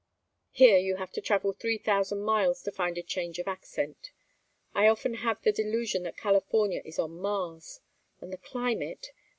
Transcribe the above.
Here you have to travel three thousand miles to find a change of accent. I often have the delusion that California is on Mars. And the climate!